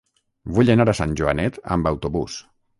Vull anar a Sant Joanet amb autobús.